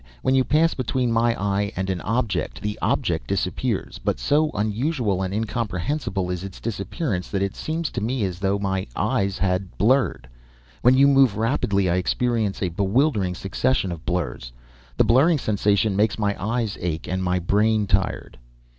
When you pass between my eye and an object, the object disappears, but so unusual and incomprehensible is its disappearance that it seems to me as though my eyes had blurred. When you move rapidly, I experience a bewildering succession of blurs. The blurring sensation makes my eyes ache and my brain tired."